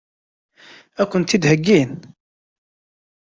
Ad kent-tt-id-heggin?